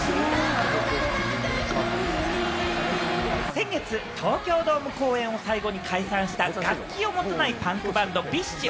先月、東京ドーム公演を最後に解散した、楽器を持たないパンクバンド、ＢｉＳＨ。